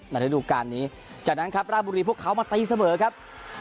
ฤดูการนี้จากนั้นครับราบุรีพวกเขามาตีเสมอครับ